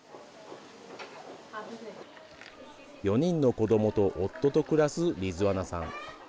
４人の子どもと夫と暮らすリズワナさん。